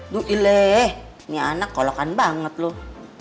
duh ileh ini anak kolokan banget loh